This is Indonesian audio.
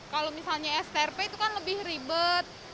kalau misalnya strp itu kan lebih ribet